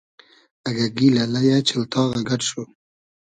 اگۂ گیلۂ ، لئیۂ ، چئلتاغۂ گئۮ شو